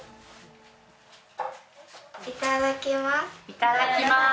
いただきます。